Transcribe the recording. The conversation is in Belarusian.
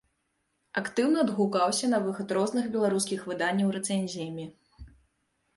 Актыўна адгукаўся на выхад розных беларускіх выданняў рэцэнзіямі.